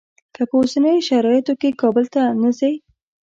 که په اوسنیو شرایطو کې کابل ته نه ځې.